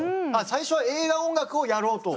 最初は映画音楽をやろうと？